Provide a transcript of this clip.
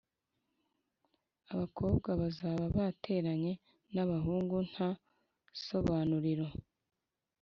abakobwa bazaba bateranye n'abahungu nta sobanuriro